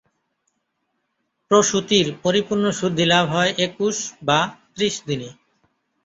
প্রসূতির পরিপূর্ণ শুদ্ধিলাভ হয় একুশ বা ত্রিশ দিনে।